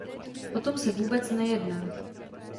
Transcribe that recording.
O tom se vůbec nejedná.